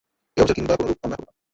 এটা অবিচার কিংবা কোনরূপ অন্যায় হবে না।